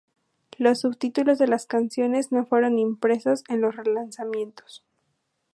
Los subtítulos de las canciones no fueron impresos en los relanzamientos.